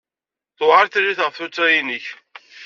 Tewɛeṛ tririt ɣef tuttra-nnek.